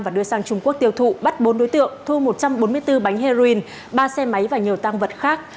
và đưa sang trung quốc tiêu thụ bắt bốn đối tượng thu một trăm bốn mươi bốn bánh heroin ba xe máy và nhiều tăng vật khác